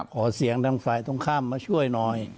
ขอเสียงทางฝ่ายตรงข้ามมาช่วยหน่อย